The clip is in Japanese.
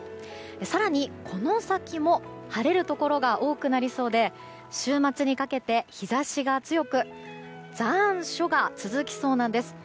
更にこの先も晴れるところが多くなりそうで週末にかけて日差しが強く残暑が続きそうなんです。